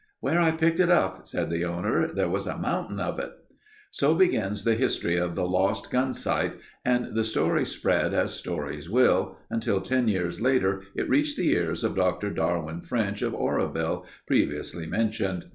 "Where I picked it up," said the owner, "there was a mountain of it." So begins the history of the Lost Gunsight and the story spread as stories will, until ten years later it reached the ears of Dr. Darwin French of Oroville, previously mentioned.